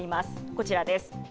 こちらです。